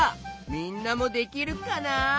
みんなもできるかな？